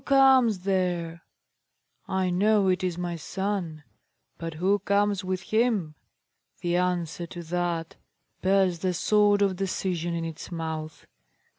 who comes there? I know it is my son. But who comes with him? The answer to that bears the sword of decision in its mouth.